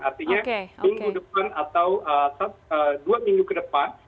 artinya minggu depan atau dua minggu ke depan